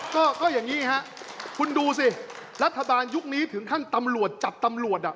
ก็อย่างนี้ฮะคุณดูสิรัฐบาลยุคนี้ถึงขั้นตำรวจจับตำรวจอ่ะ